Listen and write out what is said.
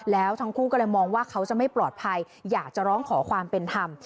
แล้วทั้งคู่ก็เลยมองว่าเขาจะไม่ปลอดภัยอยากจะร้องขอความเป็นธรรม